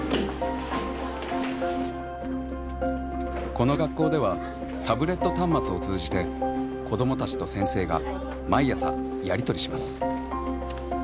この学校ではタブレット端末を通じて子どもたちと先生が毎朝やり取りします。